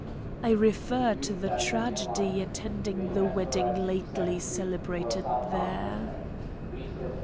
I refer to the tragedy attending the wedding lately celebrated there.